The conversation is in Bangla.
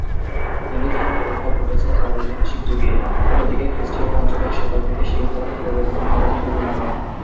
হিন্দুধর্মের উদ্ভব ঘটেছিল প্রাগৈতিহাসিক যুগে; অন্যদিকে খ্রিস্টীয় পঞ্চদশ শতাব্দীতে শিখধর্ম প্রবর্তন করেন গুরু নানক।